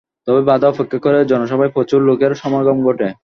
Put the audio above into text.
তবে বাধা উপেক্ষা করে জনসভায় প্রচুর লোকের সমাগম ঘটে।